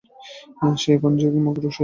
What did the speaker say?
যে এখন মর্গে শুয়ে আছে।